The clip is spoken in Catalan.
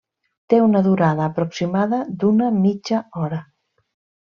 Té una durada aproximada d’una mitja hora.